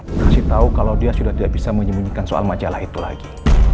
dikasih tahu kalau dia sudah tidak bisa menyembunyikan soal majalah itu lagi